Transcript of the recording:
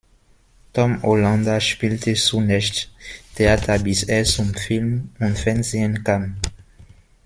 Tom Hollander spielte zunächst Theater, bis er zum Film und Fernsehen kam.